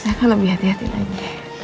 saya kan lebih hati hati lagi